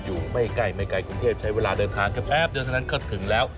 อยู่ไม่ใกล้คุณเทพใช้เวลาเดินทางแค่แป๊บเดี๋ยวในนั้นเข้าถึงแล้ว